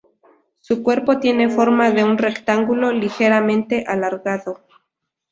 Su cuerpo tiene forma de un rectángulo ligeramente alargado.